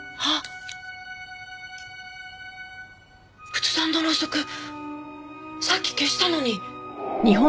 仏壇のろうそくさっき消したのに。